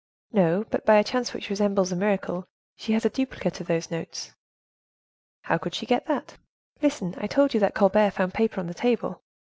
"No; but by a chance which resembles a miracle, she has a duplicate of those notes." "How could she get that?" "Listen; I told you that Colbert found paper on the table."